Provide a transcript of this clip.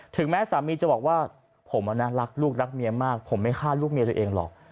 แม้สามีจะบอกว่าผมรักลูกรักเมียมากผมไม่ฆ่าลูกเมียตัวเองหรอก